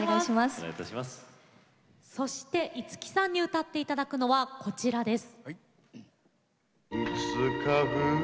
そして、五木さんに歌っていただくのはこちらです。